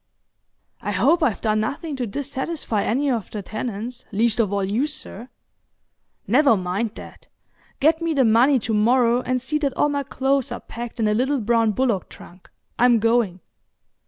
"I hope I've done nothing to dissatisfy any of the tenants, least of all you, sir." "Never mind that. Get me the money to morrow, and see that all my clothes are packed in the little brown bullock trunk. I'm going."